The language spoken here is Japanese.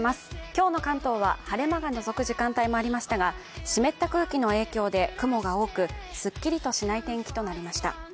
今日の関東は晴れ間がのぞく時間帯もありましたが湿った空気の影響で雲が多く、すっきりとしない天気となりました。